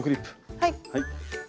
はい！